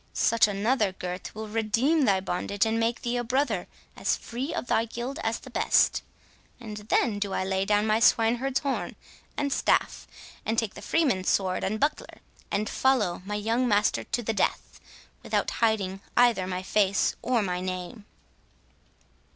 —Such another, Gurth, will redeem thy bondage, and make thee a brother as free of thy guild as the best. And then do I lay down my swineherd's horn and staff, and take the freeman's sword and buckler, and follow my young master to the death, without hiding either my face or my name."